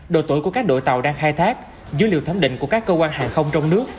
độ tuổi của các đội tàu đang khai thác dữ liệu thấm định của các cơ quan hàng không trong nước